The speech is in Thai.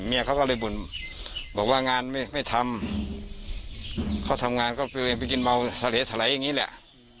เขาก็เลยบ่นบอกว่างานไม่ไม่ทำเขาทำงานก็ไปกินเบาทะเลทะไหลอย่างนี้แหละ